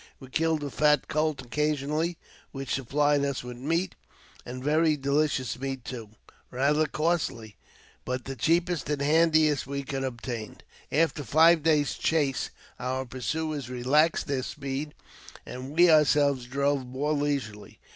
We killed a fat colt occasionally, which supplied us with meat, and very delicious meat too — rather costly, but the cheapest and handiest we could obtain. After five days' chase our pursuers relaxed their speed, and we ourselves drove more leisurely.